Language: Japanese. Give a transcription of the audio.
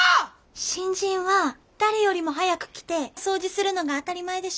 新人は誰よりも早く来て掃除するのが当たり前でしょ。